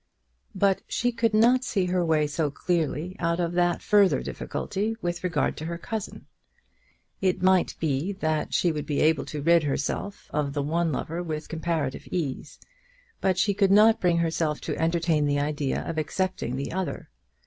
But she could not see her way so clearly out of that further difficulty with regard to her cousin. It might be that she would be able to rid herself of the one lover with comparative ease; but she could not bring herself to entertain the idea of accepting the other.